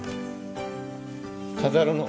飾るの？